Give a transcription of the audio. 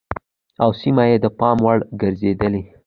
او سيمه يې د پام وړ ګرځېدلې